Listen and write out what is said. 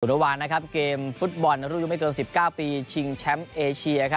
ระหว่างเกมฟุตบอลรุ่นยุไม่เกิน๑๙ปีชิงแชมป์เอเชีย